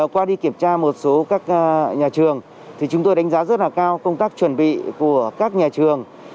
qua đi kiểm tra một số các nhà trường thì chúng tôi đánh giá rất là cao công tác chuẩn bị của các nhà trường